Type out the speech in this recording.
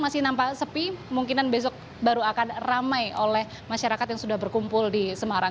masih nampak sepi kemungkinan besok baru akan ramai oleh masyarakat yang sudah berkumpul di semarang